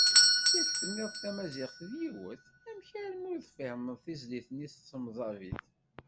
Yak tenniḍ-d tamaziɣt yiwet, amek armi ur tefhimeḍ tizlit-nni s temẓabit?